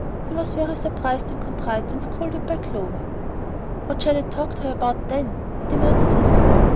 He was very surprised and contrite when scolded by Clover. "What shall I talk to her about, then?" he demanded ruefully.